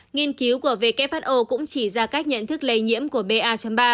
nghiên cứu của who cũng chỉ ra cách nhận thức lây nhiễm của ba ba